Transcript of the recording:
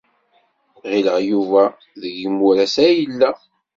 Ɣileɣ Yuba deg yimuras ay yella.